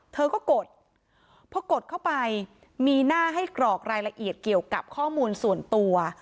เธอก็กดพอกดเข้าไปมีหน้าให้กรอกรายละเอียดเกี่ยวกับข้อมูลส่วนตัว